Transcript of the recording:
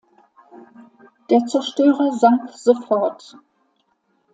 Der Zerstörer sank sofort.